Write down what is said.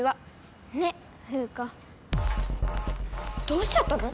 どうしちゃったの？